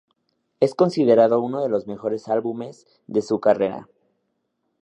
Es considerado uno de los mejores álbumes de su carrera.